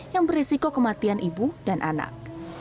yang berisiko kematian ibu dan anak